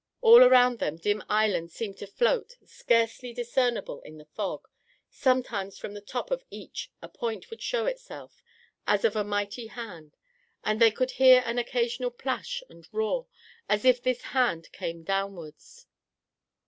All around them dim islands seemed to float, scarcely discernible in the fog; sometimes from the top of each a point would show itself, as of a mighty hand, and they could hear an occasional plash and roar, as if this hand came downwards.